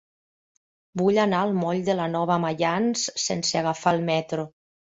Vull anar al moll de la Nova Maians sense agafar el metro.